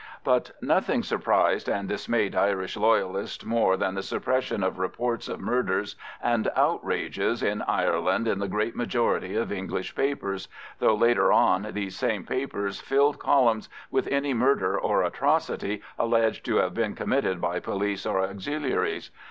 But nothing surprised and dismayed Irish Loyalists more than the suppression of reports of murders and outrages in Ireland in the great majority of English papers, though later on these same papers filled columns with any murder or atrocity alleged to have been committed by police or Auxiliaries.